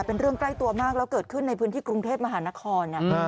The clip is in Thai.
เป็นเรื่องใกล้ตัวมากแล้วเกิดขึ้นในพื้นที่กรุงเทพมหานคร